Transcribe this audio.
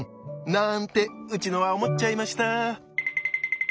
なんてウチノは思っちゃいました。